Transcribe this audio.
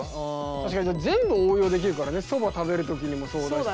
確かに全部応用できるからねそば食べる時にもそうだしさ。